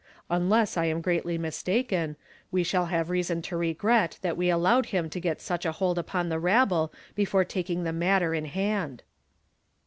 Unless I am greatly mistaken, we shall have reason to regret that we allowed liim to get such a hold upon the rabble before taking the matter in hand."